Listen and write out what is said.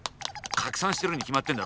拡散してるに決まってんだろ。